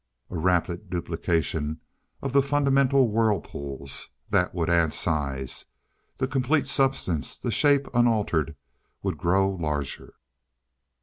A rapid duplication of the fundamental whirlpools that would add size. The complete substance with shape unaltered would grow larger.